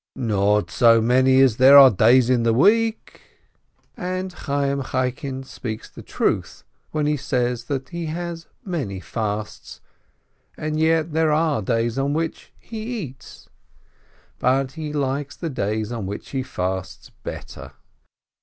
"Not so many as there are days in the week." 146 SHOLOM ALECHEM And Chayyim Chaikin speaks the truth when he says that he has many fasts, and yet there are days on which he eats. But he likes the days on which he fasts better.